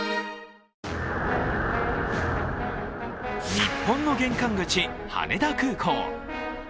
日本の玄関口、羽田空港。